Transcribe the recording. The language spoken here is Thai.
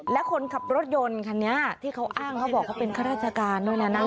และคนขับรถยนต์คันนี้ที่เขาอ้างเขาบอกเขาเป็นข้าราชการด้วยนะ